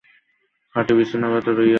খাটে বিছানা পাতা রহিয়াছে।